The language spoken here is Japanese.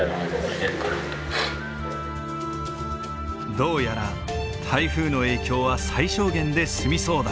どうやら台風の影響は最小限で済みそうだ。